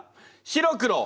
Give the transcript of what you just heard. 白黒。